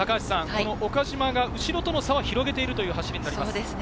岡島が後ろとの差を広げているという走りですね。